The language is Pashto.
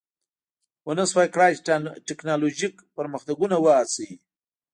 ونشوای کړای چې ټکنالوژیک پرمختګونه وهڅوي